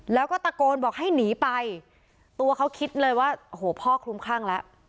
แล้วก็ตะโกนบอกให้หนีไปตัวเขาคิดเลยว่าโอ้โหพ่อคลุมคลั่งแล้ว